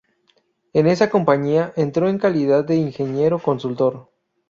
En esa compañía entró en calidad de ingeniero consultor.